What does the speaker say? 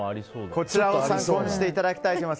こちらを参考にしていただきたいと思います。